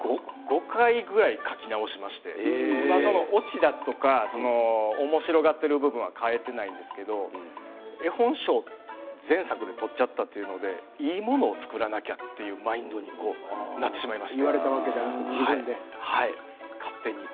５回ぐらい書き直しまして、オチだとかおもしろがっている部分は変えていないんですけれど絵本賞、前作で取っちゃったというのでいいものを作らなきゃという言われたわけではなく勝手に。